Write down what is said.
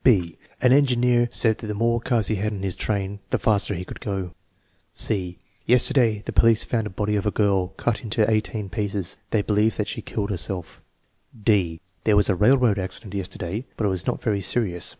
'" (b) "An engineer said that the more cars he had on his train the faster he could go" (c) " Yesterday the police found the body of a girl cut into eighteen pieces. They believe that she killed herself" (d) There was a railroad accident yesterday, but it was not very serious.